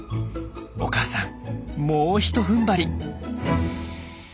お母さんもうひとふんばり！